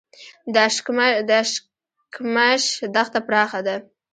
د اشکمش دښته پراخه ده